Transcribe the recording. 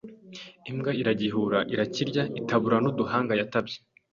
Imbwa iragihuhura irakirya itaburura n'uduhanga yatabye